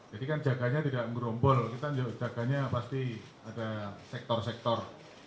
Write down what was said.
jadi kan jaganya tidak ngerombol kita jaganya pasti ada sektor sektor